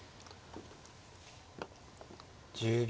１０秒。